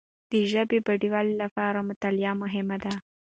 د ژبي بډایوالي لپاره مطالعه مهمه ده.